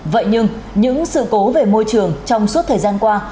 vậy nhưng những sự cố về môi trường trong suốt thời gian qua